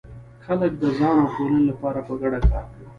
خلک د ځان او ټولنې لپاره په ګډه کار کوي.